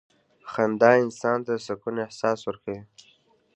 • خندا انسان ته د سکون احساس ورکوي.